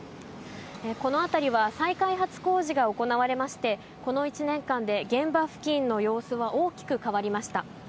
この辺りは再開発工事が行われまして、この１年間で現場付近の様子は大きく変わりました。